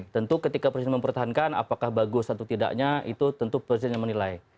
tentu ketika presiden mempertahankan apakah bagus atau tidaknya itu tentu presiden yang menilai